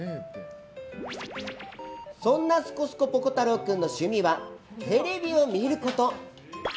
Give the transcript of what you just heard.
そんなスコスコぽこ太郎君の趣味は、テレビを見ること。